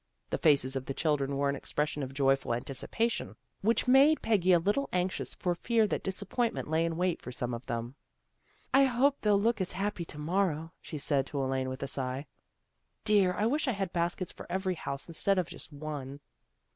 The faces of the chil dren wore an expression of joyful anticipation which made Peggy a little anxious for fear that disappointment lay in wait for some of them. " I hope they'll look as happy to mor row," she said to Elaine with a sigh. " Dear! I wish I had baskets for every house instead of just one."